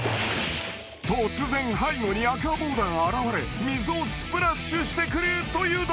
［突然背後にアクアボーダーが現れ水をスプラッシュしてくるというドッキリ］